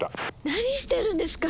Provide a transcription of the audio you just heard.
何してるんですか！